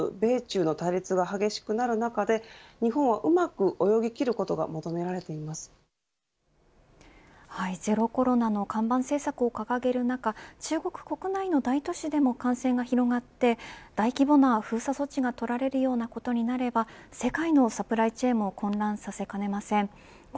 コロナ対応、さらにはアフターコロナについてまったく違うスタンスを取る米中の対立は激しくなる中で日本はうまく泳ぎ切ることがゼロコロナの看板政策を掲げる中中国国内の大都市でも感染が広がって大規模な封鎖措置が取られるようなことになれば世界のサプライチェーンも混乱させかねません。